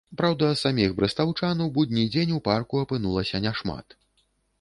Праўда, саміх брэстаўчан у будні дзень у парку апынулася няшмат.